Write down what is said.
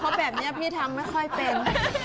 เพราะแบบนี้พี่ทำไม่ค่อยเป็น